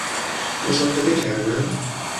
مشاهده کردن